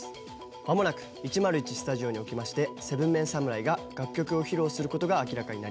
間もなく１０１スタジオにおきまして７ＭＥＮ侍が楽曲を披露することが明らかになりました。